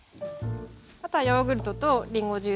あとはヨーグルトとりんごジュース。